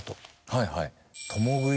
はいはい。